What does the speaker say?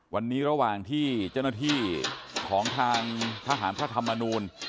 วันนี้ระหว่างที่เจ้าหน้าที่ของทางทหารพระธรรมนูล